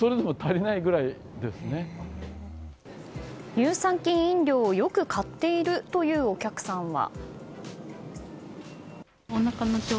乳酸菌飲料を、よく買っているというお客さんは。